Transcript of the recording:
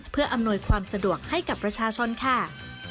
เพื่ออำนวยความสะดวกให้กับประชาชนค่ะ